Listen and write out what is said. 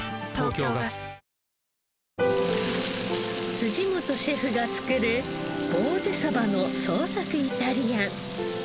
辻本シェフが作るぼうぜの創作イタリアン。